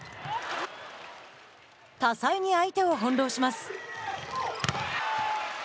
多彩に、相手を翻弄します。